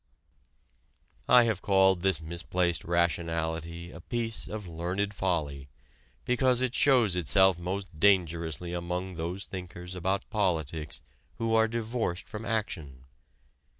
I have called this misplaced "rationality" a piece of learned folly, because it shows itself most dangerously among those thinkers about politics who are divorced from action.